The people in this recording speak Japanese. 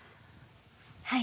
はい。